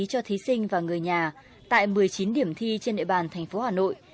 cho thí sinh và người nhà tại một mươi chín điểm thi trên nệ bàn tp hà nội